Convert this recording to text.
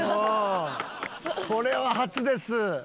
うんこれは初です。